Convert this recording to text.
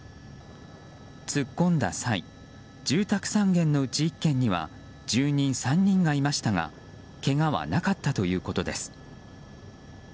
突っ込んだ際、住宅３軒のうち１軒には住人３人がいましたがけがはなかったということです。